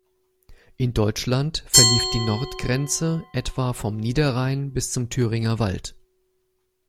In Deutschland verlief die Nordgrenze etwa vom Niederrhein bis zum Thüringer Wald.